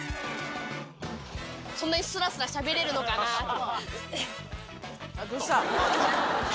そんなにスラスラしゃべれるのかなと。